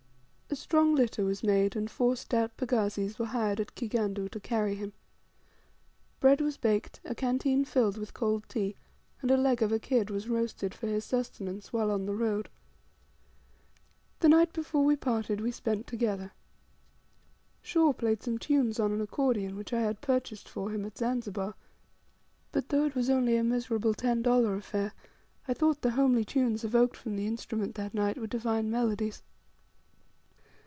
A strong litter was made, and four stout pagazis were hired at Kigandu to carry him. Bread was baked, a canteen was filled with cold tea, and a leg of a kid was roasted for his sustenance while on the road. The night before we parted we spent together. Shaw played some tunes on an accordion which I had purchased for him at Zanzibar; but, though it was only a miserable ten dollar affair, I thought the homely tunes evoked from the instrument that night were divine melodies.